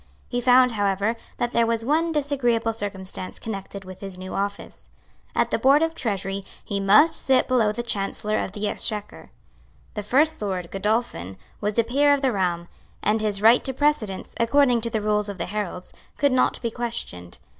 He found, however, that there was one disagreeable circumstance connected with his new office. At the Board of Treasury he must sit below the Chancellor of the Exchequer. The First Lord, Godolphin, was a peer of the realm; and his right to precedence, according to the rules of the heralds, could not be questioned.